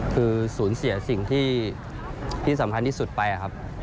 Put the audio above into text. คือสูญเสียสิ่งที่สำคัญที่สุดไปครับ